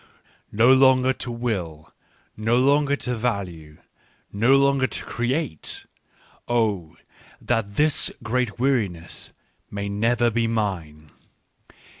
"No longer to will, no longer to value, no longer to create ! Oh, that this great weariness may never be mine